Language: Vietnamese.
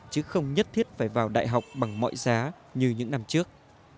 chứ không nhất thiết phải vào đại học bằng mọi giá như những năm trước